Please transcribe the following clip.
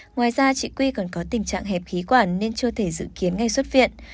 ngoài ra chị quy còn có tình trạng hẹp khí quản nên chưa thể dự kiến ngay xuất viện